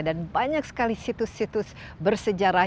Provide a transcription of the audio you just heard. dan banyak sekali situs situs bersejarah